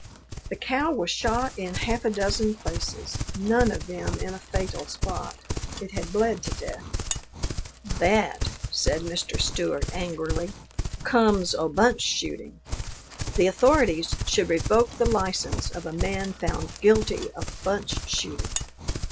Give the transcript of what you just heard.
The cow was shot in half a dozen places, none of them in a fatal spot; it had bled to death. "That," said Mr. Stewart angrily, "comes o' bunch shooting. The authorities should revoke the license of a man found guilty of bunch shooting."